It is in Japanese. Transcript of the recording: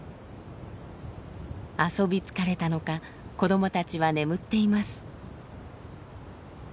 遊び疲れたのか子どもたちは眠っています。